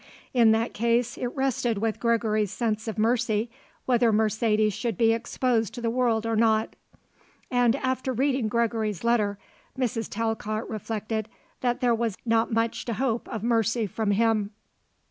In that case it rested with Gregory's sense of mercy whether Mercedes should be exposed to the world or not. And after reading Gregory's letter Mrs. Talcott reflected that there was not much to hope of mercy from him.